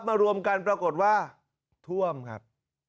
รวมกันปรากฏว่าท่วมครับ